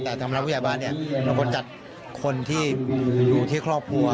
แต่สำหรับผู้ใหญ่บ้านเนี่ยเราก็จัดคนที่อยู่ที่ครอบครัว